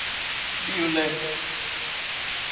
ดีลฮะ